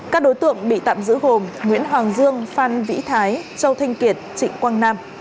các đối tượng bị tạm giữ gồm nguyễn hoàng dương phan vĩ thái châu thanh kiệt trịnh quang nam